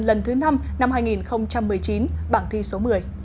lần thứ năm năm hai nghìn một mươi chín bảng thi số một mươi